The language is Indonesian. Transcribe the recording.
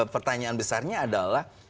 pertanyaan besarnya adalah